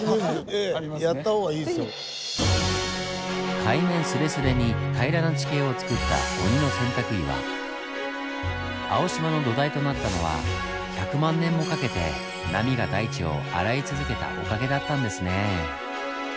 海面すれすれに平らな地形をつくった青島の土台となったのは１００万年もかけて波が大地を洗い続けたおかげだったんですね。